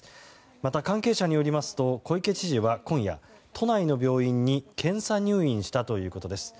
また関係者によりますと小池知事は今夜、都内の病院に検査入院したということです。